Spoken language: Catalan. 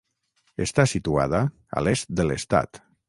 Està situada a l'est de l'estat.